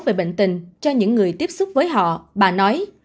về bệnh tình cho những người tiếp xúc với họ bà nói